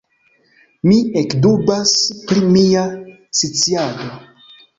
Mi ekdubas pri mia sciado.